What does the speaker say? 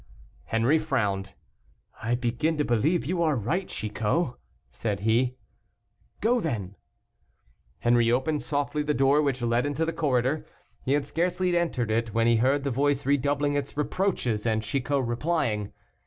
Henri frowned. "I begin to believe you are right, Chicot," said he. "Go, then." Henri opened softly the door which led into the corridor. He had scarcely entered it, when he heard the voice redoubling its reproaches, and Chicot replying.